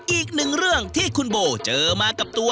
อีกหนึ่งเรื่องที่คุณโบเจอมากับตัว